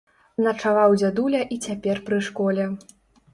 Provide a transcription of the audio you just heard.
Начаваў дзядуля і цяпер пры школе.